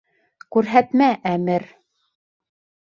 Күрһәтмә, әмер.